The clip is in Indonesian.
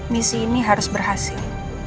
misi ini harus berhasil